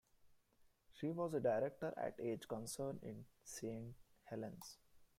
She was a Director at Age Concern in Saint Helens.